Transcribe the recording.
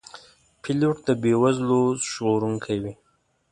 پیلوټ د بې وزلو ژغورونکی وي.